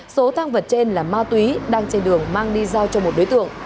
số tăng vật trên là ma túy đang trên đường mang đi giao cho một đối tượng